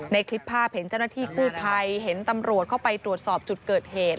ในคลิปภาพเห็นเจ้าหน้าที่กู้ภัยเห็นตำรวจเข้าไปตรวจสอบจุดเกิดเหตุ